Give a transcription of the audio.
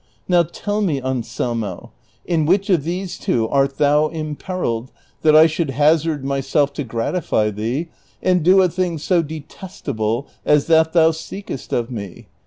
Now tell me, Anselmo, in which of these two art thou imperilled, that I should hazard myself to gratify thee, and do a thing so detestable as that thou seekest of me?